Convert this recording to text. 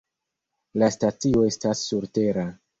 La stacio estas surtera.